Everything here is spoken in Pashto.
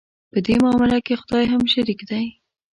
په دې معامله کې خدای هم شریک دی.